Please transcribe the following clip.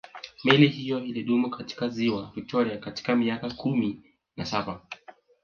meli hiyo ilidumu katika ziwa victoria kwa miaka kumi na saba